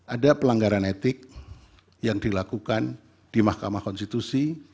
ada pelanggaran etik yang dilakukan di mahkamah konstitusi